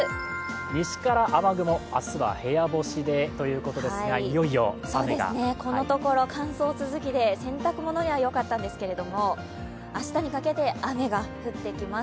西から雨雲、明日は部屋干しでということですがこのところ乾燥続きで洗濯物にはよかったんですけれども、明日にかけて雨が降ってきます。